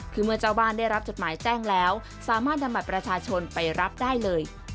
คือเมื่อเจ้าบ้านได้รับจดหมายแจ้งแล้วสามารถนำบัตรประชาชนไปรับได้เลย